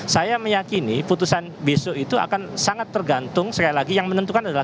saya meyakini putusan besok itu akan sangat tergantung sekali lagi yang menentukan adalah